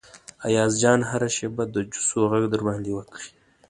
ایاز جان هره شیبه د جوسو غږ در باندې وکړي.